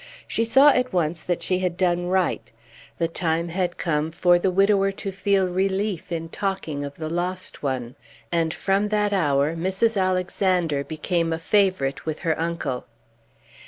She saw at once that she had done right. The time had come for the widower to feel relief in speaking of the lost one; and from that hour Mrs. Alexander became a favorite with her uncle.